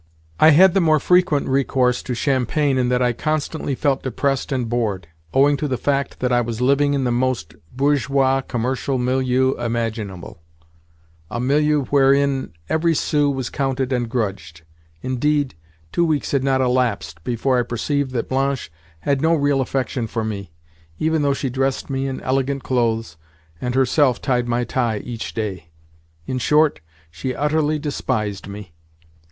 I had the more frequent recourse to champagne in that I constantly felt depressed and bored, owing to the fact that I was living in the most bourgeois commercial milieu imaginable—a milieu wherein every sou was counted and grudged. Indeed, two weeks had not elapsed before I perceived that Blanche had no real affection for me, even though she dressed me in elegant clothes, and herself tied my tie each day. In short, she utterly despised me.